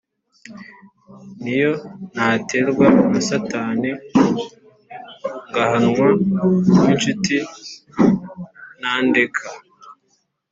Niyo naterwa na satani ngahanwa ni’inshuti ntandeka